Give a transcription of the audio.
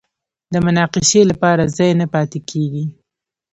د مناقشې لپاره ځای نه پاتې کېږي